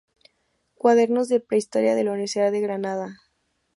Cuadernos de Prehistoria de la Universidad de Granada.